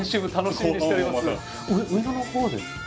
上野のほうですか？